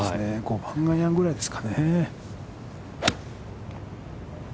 ５番アイアンぐらいですかね。